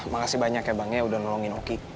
makasih banyak ya bangnya udah nolongin oki